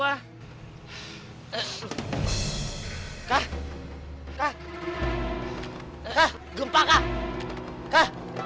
kah kah kah gempa kah kah